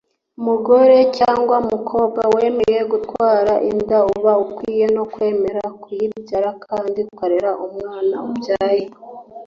”Mugore cyangwa mukobwa wemeye gutwara inda uba ukwiye no kwemera kuyibyara kandi ukarera umwana ubyaye